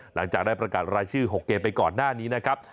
หลังจากได้ประกาศรายชื่อ๖เกมไปก่อนหน้านี้นะครับ